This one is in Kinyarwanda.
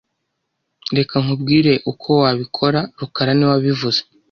Reka nkubwire uko wabikora rukara niwe wabivuze